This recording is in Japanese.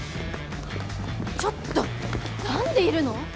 ちょっと何でいるの？